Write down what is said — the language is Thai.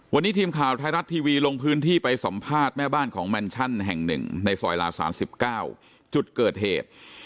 วันนี้ทีมข่าวไทยรัฐทีวีลงพื้นที่ไปสัมภาษณ์แม่บ้านของแมนชั่นแห่งหนึ่งในซอยลาสาร๑๙จุดเกิดเหตุ